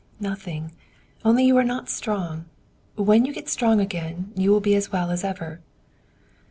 "Nothing. Only you are not strong. When you get strong again, you will be as well as ever."